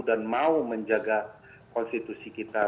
dan mau menjaga konstitusi kita